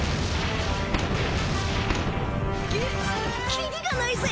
キリがないぜ！